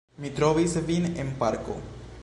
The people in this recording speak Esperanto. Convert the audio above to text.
Mi trovis vin en parko!